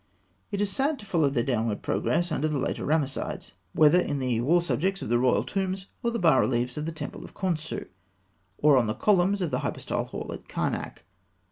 It is sad to follow their downward progress under the later Ramessides, whether in the wall subjects of the royal tombs, or in the bas reliefs of the temple of Khonsû, or on the columns of the hypostyle hall at Karnak.